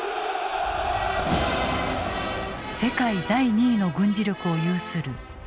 世界第２位の軍事力を有するロシア軍。